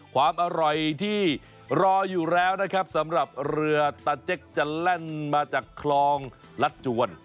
ความอร่อยที่รออยู่แล้วนะครับสำหรับเรือตาเจ๊กจะแล่นมาจากคลองลัดจวน